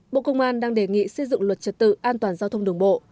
bộ công an đang đề nghị xây dựng luật trật tự an toàn giao thông đường bộ